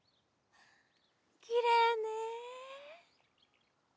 きれいねえ。